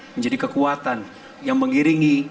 menjadi kekuatan yang mengiringi